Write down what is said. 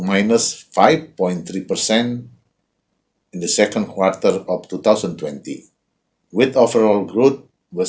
dengan kekembangan secara keseluruhan yang kurang dua satu pada tahun dua ribu dua puluh